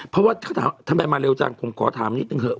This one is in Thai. เพราะว่าเขาถามทำไมมาเร็วจังผมขอถามนิดนึงเถอ